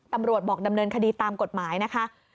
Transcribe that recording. ตำรวจบอกดำเนินคดีตามกฎหมายนะคะ